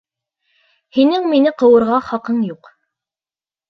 Һинең мине ҡыуырға хаҡың юҡ.